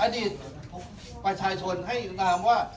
อดีตประชาชนให้รามว่า